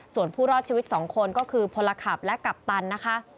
ส่วนผู้รอดชีวิต๒คนก็คือพลขับและกัปตันนะคะ